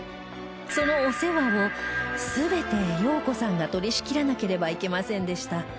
そのお世話を全て洋子さんが取り仕切らなければいけませんでした